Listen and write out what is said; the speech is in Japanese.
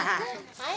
はい。